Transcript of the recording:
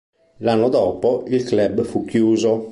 L'anno dopo il club fu chiuso.